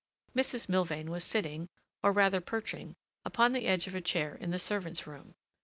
Mrs. Milvain was sitting, or rather perching, upon the edge of a chair in the servants' room.